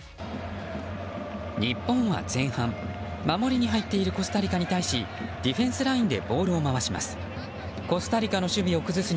日本は前半、守りに入っているコスタリカに対しディフェンスラインでボールを回します。